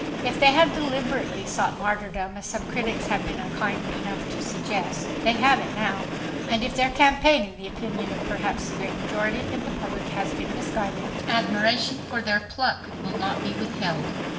If they have deliberately sought martyrdom, as some critics have been unkind enough to suggest, they have it now. And if their campaign, in the opinion of perhaps the great majority of the public, has been misguided, admiration for their pluck will not be withheld.